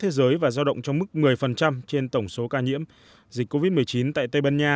thế giới và giao động trong mức một mươi trên tổng số ca nhiễm dịch covid một mươi chín tại tây ban nha